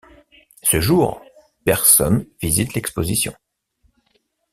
Ce jour, personnes visitent l'exposition.